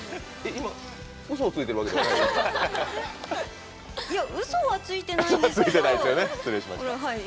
今、うそをついてるわけじゃないですよね？